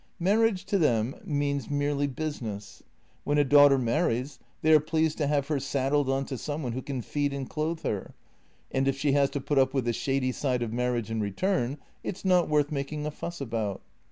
Marriage to them means merely business. When a daughter marries they are pleased to have her saddled on to some one who can feed and clothe her, and if she has to put up with the shady side of marriage in return, it's not worth making a fuss about.